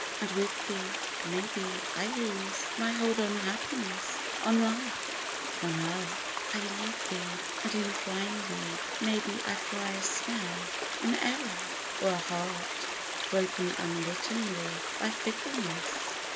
and with thee, may be, I lose My hold on Happiness, on Life, on Love ; I leave thee, and in flying thee, may be I fly a snare, an error, or a heart Broken unwittingly by fickleness